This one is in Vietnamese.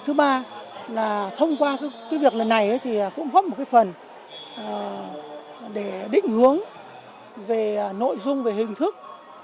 thứ ba là thông qua việc lần này thì cũng góp một cái phần để định hướng về nội dung về hình thức